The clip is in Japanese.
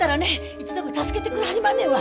いつでも助けてくれはりまんねんわ。